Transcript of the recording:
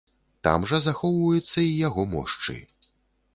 Там жа захоўваюцца і яго мошчы.